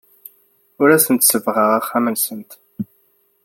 Ur asent-sebbɣeɣ axxam-nsent.